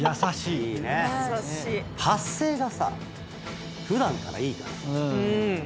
発声がさ普段からいいからさ。